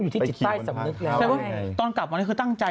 ที่โดนปรับไปไง